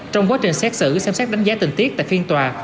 trong quá trình xét xử xem xét đánh giá tình tiết tại phiên tòa